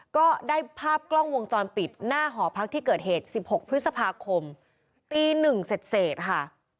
ก็ได้ภาพกล้องวงจรปิดหน้าหอพักที่เกิดเหตุ๑๖พฤษภาคมตีหนึ่งเสร็จค่ะ